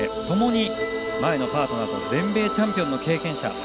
ともに前のパートナーが全米チャンピオンの経験者。